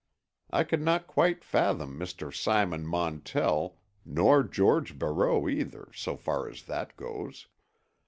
I could not quite fathom Mr. Simon Montell—nor George Barreau, either, so far as that goes.